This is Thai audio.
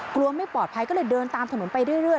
กลัวไม่ปลอดภัยก็เลยเดินตามถนนไปเรื่อย